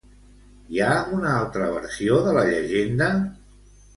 Hi ha una altra versió de la llegenda?